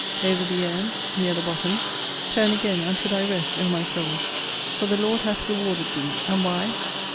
Over the urn, near the bottom: Turn again unto thy rest, O my soul! for the Lord hath rewarded thee: And why?